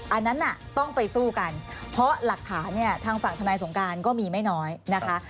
อันนั้นน่ะต้องไปสู้กันเพราะหลักฐานเนี่ยทางฝั่งธนายสงการก็มีไม่น้อยนะคะ